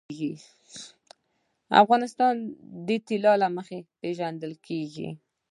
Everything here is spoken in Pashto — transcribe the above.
افغانستان د طلا له مخې پېژندل کېږي.